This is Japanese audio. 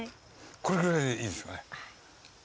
これぐらいでいいですよね。